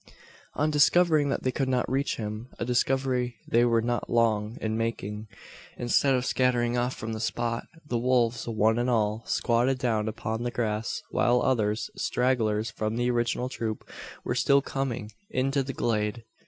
On discovering that they could not reach him a discovery they were not long in making instead of scattering off from the spot, the wolves, one and all, squatted down upon the grass; while others, stragglers from the original troop, were still coming into the glade.